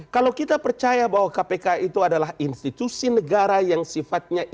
kalau kita percaya bahwa kpk itu adalah institusi negara yang sifatnya